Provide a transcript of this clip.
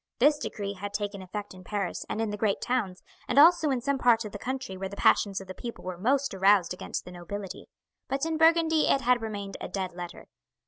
This decree had taken effect in Paris and in the great towns, and also in some parts of the country where the passions of the people were most aroused against the nobility; but in Burgundy it had remained a dead letter.